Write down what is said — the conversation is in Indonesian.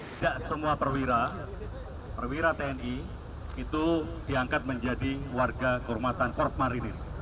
tidak semua perwira perwira tni itu diangkat menjadi warga kehormatan korp marinir